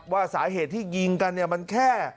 ว่าสาเหตุที่ยิงกันเนี่ยมันแค่